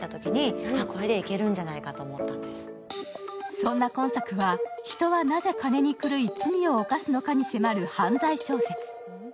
そんな今作は、人はなぜ金に狂い罪を犯すのかに迫る犯罪小説。